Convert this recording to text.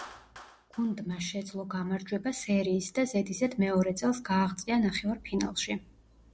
გუნდმა შეძლო გამარჯვება სერიის და ზედიზედ მეორე წელს გააღწია ნახევარ-ფინალში.